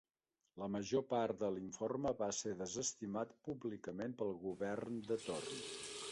La major part de l'informe va ser desestimat públicament pel govern de torn.